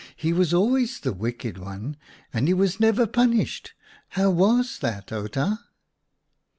" He was always the wicked one, and he was never punished. How was that, Outa?"